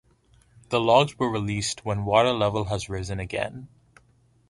The logs were released when water level has risen again.